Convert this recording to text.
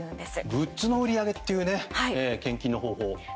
グッズの売り上げっていう献金の方法。